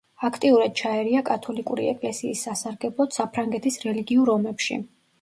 აქტიურად ჩაერია კათოლიკური ეკლესიის სასარგებლოდ, საფრანგეთის რელიგიურ ომებში.